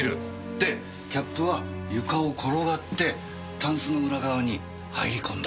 でキャップは床を転がってタンスの裏側に入り込んだ。